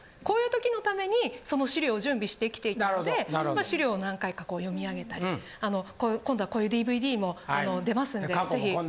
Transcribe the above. こういう時のためにその資料を準備してきていたので資料を何回か読み上げたり「今度はこういうＤＶＤも出ますんで是非」。